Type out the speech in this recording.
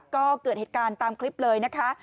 ก็เกิดเหตุการณ์ตามคลิปเลยนะคะ